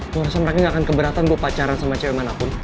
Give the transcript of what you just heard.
lu rasa merangkai gak akan keberatan gue pacaran sama cewek manapun